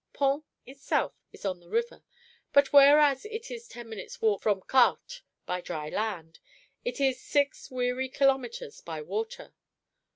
Pont itself is on the river, but whereas it is ten minutes' walk from Quartes by dry land, it is six weary kilometres by water.